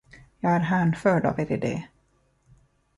Jag är hänförd av er idé.